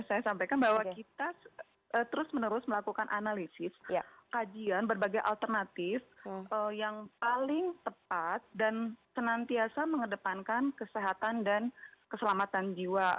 saya sampaikan bahwa kita terus menerus melakukan analisis kajian berbagai alternatif yang paling tepat dan senantiasa mengedepankan kesehatan dan keselamatan jiwa